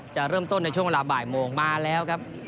จะเริ่มต้นในช่วงเวลาบ่ายโมงมาแล้วครับ